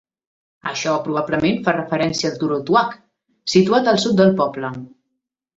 Això probablement fa referència al turó Tuach, situat al sud del poble.